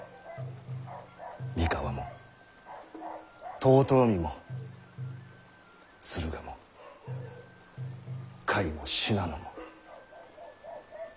三河も遠江も駿河も甲斐も信濃も。